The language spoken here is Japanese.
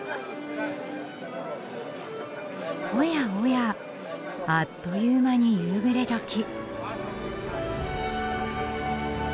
おやおやあっという間に夕暮れどき。